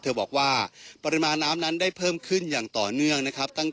บอกว่าปริมาณน้ำนั้นได้เพิ่มขึ้นอย่างต่อเนื่องนะครับ